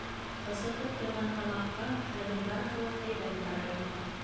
Ҡысытып торған тамаҡҡа хәҙер барыһы ла һәйбәт бара ине.